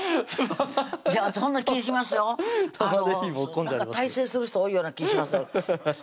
そんな気しますよなんか大成する人多いような気しますよ